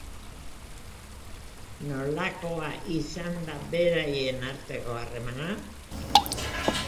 Nolakoa izan da beraien arteko harremana?